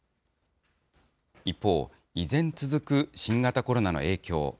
一方、依然続く新型コロナの影響。